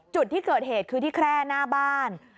จุดที่เกิดเหตุคือที่แคร่หน้าบ้าน